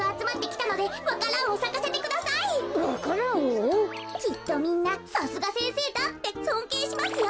きっとみんな「さすがせんせいだ」ってそんけいしますよ。